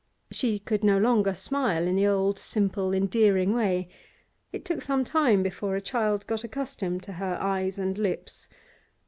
She could no longer smile in the old simple, endearing way; it took some time before a child got accustomed to her eyes and lips.